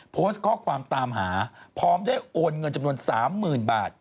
โพสต์ข้อความตามหาพร้อมได้โอนเงินจำนวน๓๐๐๐บาท